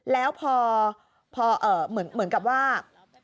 แล้วพอเหมือนกับว่า